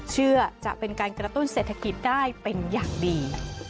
จะเป็นการกระตุ้นเศรษฐกิจได้เป็นอย่างดี